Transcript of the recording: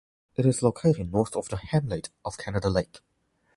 It is located north of the Hamlet of Canada Lake.